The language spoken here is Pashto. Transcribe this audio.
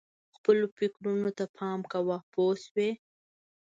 خپلو فکرونو ته پام کوه پوه شوې!.